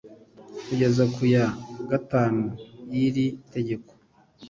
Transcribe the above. kugeza ku ya gatanu y iri tegeko